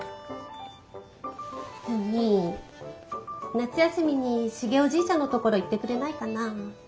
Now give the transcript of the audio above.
夏休みにシゲおじいちゃんのところ行ってくれないかなあ。